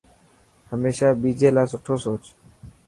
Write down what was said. هميشا ٻجي لاءِ سٺو سوچ.